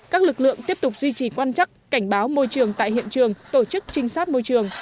các lực lượng tiếp tục duy trì quan chắc cảnh báo môi trường tại hiện trường tổ chức trinh sát môi trường